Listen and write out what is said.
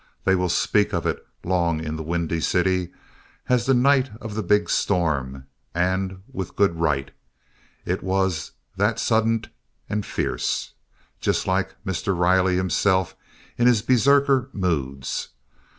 They will speak of it long in the Windy City as "the night of the big storm," and with good right it was "that suddint and fierce," just like Mr. Riley himself in his berserker moods.